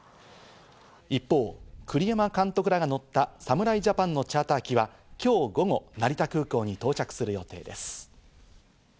一方、栗山監督らが乗った侍ジャパンのチャーター機は、今日午後、成田空港に到着する予定です。